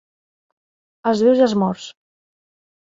Els vius i els morts.